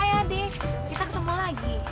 hai adik kita ketemu lagi